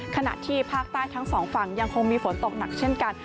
ขณะที่ภาคใต้ทั้งสองฝั่งยังคงมีฝนตกหนักเช่นกัน